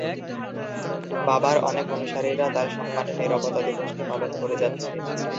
বাবার অনেক অনুসারীরা তার সম্মানে নীরবতা দিবসটি পালন করে যাচ্ছে।